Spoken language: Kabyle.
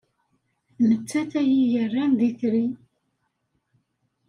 D nettat ay iyi-yerran d itri.